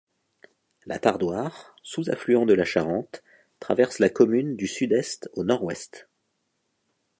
La Tardoire, sous-affluent de la Charente, traverse la commune du sud-est au nord-ouest.